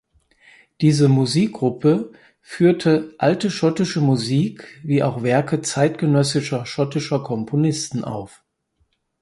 Diese Musikgruppe führte alte schottische Musik wie auch Werke zeitgenössischer schottischer Komponisten auf.